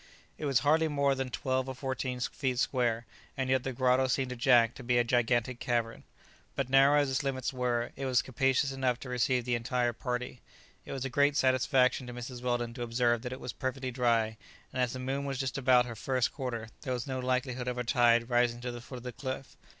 It was hardly more than twelve or fourteen feet square, and yet the grotto seemed to Jack to be a gigantic cavern. But narrow as its limits were, it was capacious enough to receive the entire party. It was a great satisfaction to Mrs. Weldon to observe that it was perfectly dry, and as the moon was just about her first quarter there was no likelihood of a tide rising to the foot of the cliff.